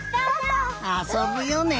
あそぶよね！